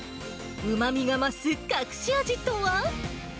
うまみが増す隠し味とは？